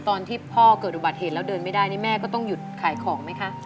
ตอนที่พ่อเกิดอุบัติเหตุแล้วเดินไม่ได้นี่แม่ก็ต้องหยุดขายของไหมคะ